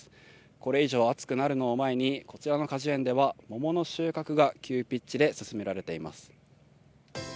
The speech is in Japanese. これ以上暑くなるのを前に、こちらの果樹園では桃の収穫が急ピッチで進められています。